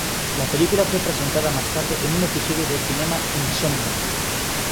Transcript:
La película fue presentada más tarde en un episodio de "Cinema Insomnia".